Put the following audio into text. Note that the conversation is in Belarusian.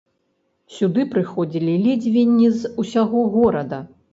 Сюды прыходзілі ледзьве не з усяго горада.